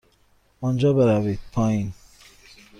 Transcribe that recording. آنجا بروید پایین.